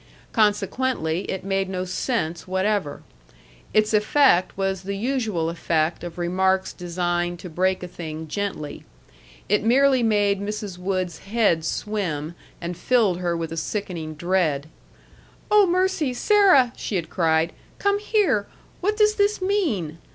Consequently, it made no sense whatever. Its effect was the usual effect of remarks designed to break a thing gently. It merely made Mrs. Wood's head swim, and filled her with a sickening dread. "Oh, mercy, Sarah," she had cried, "come here. What does this mean?"